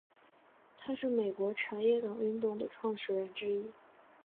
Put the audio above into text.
他是美国茶叶党运动的创始人之一。